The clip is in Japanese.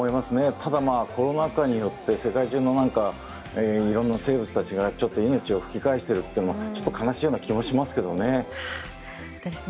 ただコロナ禍によって世界中のいろんな生物たちがちょっと命を吹き返しているというのは悲しいような気もしますけどね。